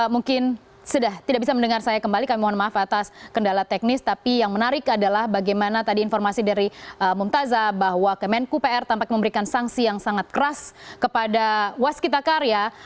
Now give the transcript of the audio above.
mungkin sudah tidak bisa mendengar saya kembali kami mohon maaf atas kendala teknis tapi yang menarik adalah bagaimana tadi informasi dari mumtaza bahwa kemenku pr tampak memberikan sanksi yang sangat keras kepada waskita karya